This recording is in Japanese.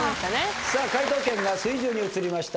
さあ解答権が水１０に移りました。